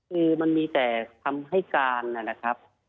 คือมันมีแต่คำให้การนะครับ